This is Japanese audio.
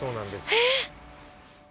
えっ。